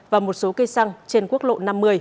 và một số cây xăng trên quốc lộ năm mươi